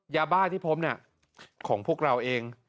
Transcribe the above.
ยาบ้าที่พบของพวกเราเอง